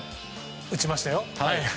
打ちましたよ。